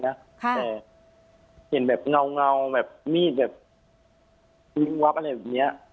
แต่เห็นแบบเงาแบบมีดแบบทิ้งวับอะไรแบบเนี้ย